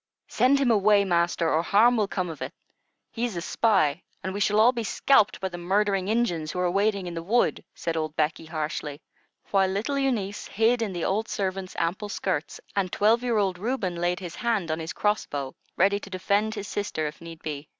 "Send him away, master, or harm will come of it. He is a spy, and we shall all be scalped by the murdering Injuns who are waiting in the wood," said old Becky, harshly; while little Eunice hid in the old servant's ample skirts, and twelve year old Reuben laid his hand on his cross bow, ready to defend his sister if need be.